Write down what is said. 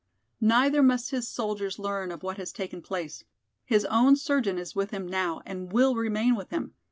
Neither must his soldiers learn of what has taken place. His own surgeon is with him now and will remain with him.